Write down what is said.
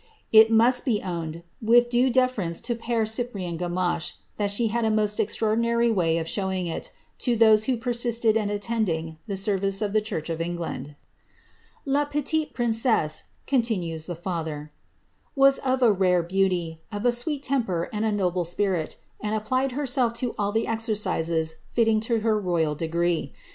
'' It must be owned, with due deference to the Pert Cyprian Gamache, that she had a most extraordinary way of showing ii| to those who persisted in attending the service of the church of Engfauidi ^ La petite princesse^^'* continues the father, '^ was of a rare beauty, ef a sweet temper, and a noble spirit, and applied herself to all the ejieitiwi fitting to her royal degree.